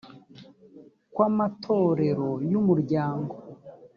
kw amatorero y umuryango